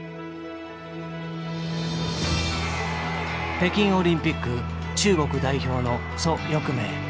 北京オリンピック中国代表の蘇翊鳴。